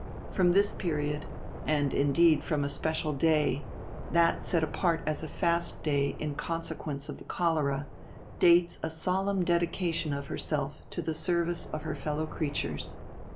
From this period, and indeed from a special day—that set apart as a fast day in consequence of the cholera—dates a solemn dedication of herself to the service of her fellow creatures.